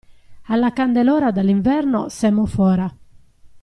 Alla candelora dall'inverno semo fora.